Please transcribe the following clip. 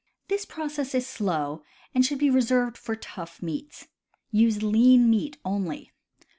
— This process is slow, and should be re served for tough meats. Use lean meat only.